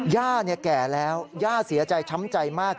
ย่าแก่แล้วย่าเสียใจช้ำใจมาก